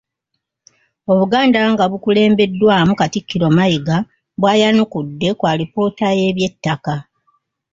Obuganda nga bukulembeddwamu Katikkiro Mayiga bwayanukudde ku alipoota y'eby'ettaka.